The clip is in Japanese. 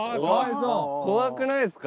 怖くないっすか？